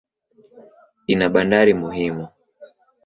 Ina bandari muhimu.